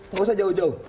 nggak usah jauh jauh